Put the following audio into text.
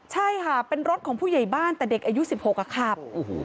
ใช่ค่ะเป็นรถของผู้ใหญ่บ้านแต่เด็กอายุ๑๖ขับ